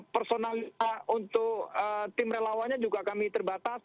personal untuk tim relawannya juga kami terbatas